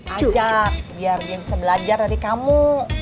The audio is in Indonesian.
ajak biar dia bisa belajar dari kamu